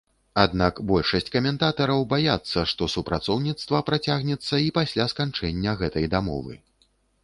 Аднак большасць каментатараў баяцца, што супрацоўніцтва працягнецца і пасля сканчэння гэтай дамовы.